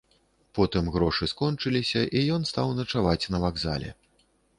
Потым грошы скончыліся і ён стаў начаваць на вакзале.